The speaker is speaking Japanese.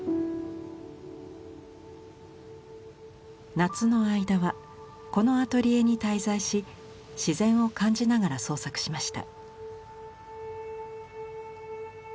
夏の間はこのアトリエに滞在し自然を感じながら創作しました。